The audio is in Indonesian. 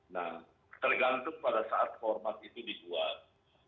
nah tergantung pada saat format itu dibuat